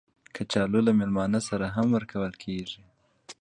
کچالو له میلمانه سره هم ورکول کېږي